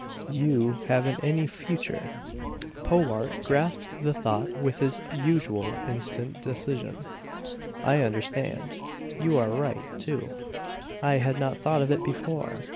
You haven't any future!" Powart grasped the thought with his usual instant decision. "I understand. You are right, too. I had not thought of it before."